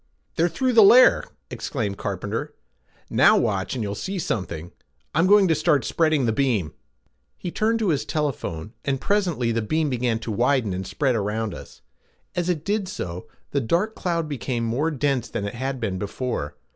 "They're through the layer," exclaimed Carpenter. "Now watch, and you'll see something. I'm going to start spreading the beam." He turned again to his telephone, and presently the beam began to widen and spread out. As it did so the dark cloud became more dense than it had been before.